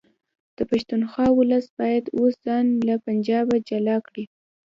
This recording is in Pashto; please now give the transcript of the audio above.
د پښتونخوا ولس باید اوس ځان له پنجابه جلا کړي